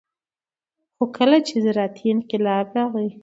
خو کله چې زراعتي انقلاب راغى